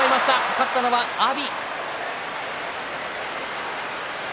勝ったのは阿炎。